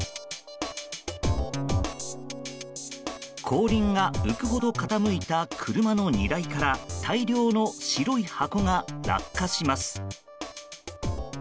後輪が浮くほど傾いた車の荷台から大量の白い箱が落下します。